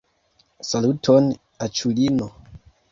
Saluton aĉulino